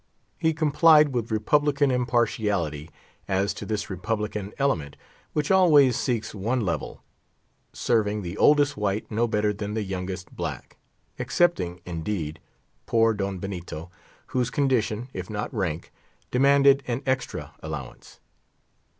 He complied, with republican impartiality as to this republican element, which always seeks one level, serving the oldest white no better than the youngest black; excepting, indeed, poor Don Benito, whose condition, if not rank, demanded an extra allowance.